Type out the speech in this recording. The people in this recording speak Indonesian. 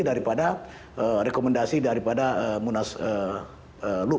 daripada rekomendasi dari munaslup